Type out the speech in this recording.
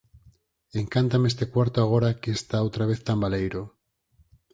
Encántame este cuarto agora que está outra vez tan baleiro.